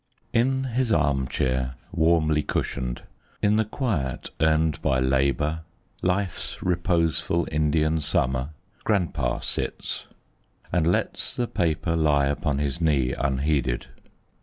In his arm chair, warmly cushioned, In the quiet earned by labor, Life's reposeful Indian summer, Grandpa sits; and lets the paper Lie upon his knee unheeded.